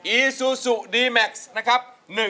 อีซูซูดีแม็กซ์นะครับ